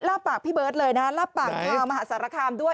ปากพี่เบิร์ตเลยนะลาบปากชาวมหาสารคามด้วย